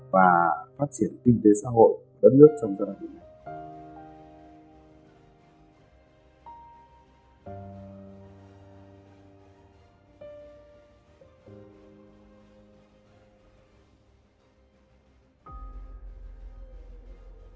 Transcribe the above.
và phát triển kinh tế xã hội đất nước trong gia đình này